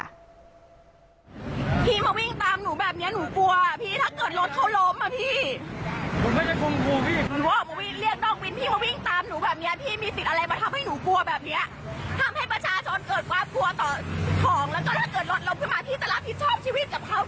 ที่เธอเกิดลดลมมาพี่ตลาดถิดชอบชีวิตจำเขาหนูเหมาเขาไป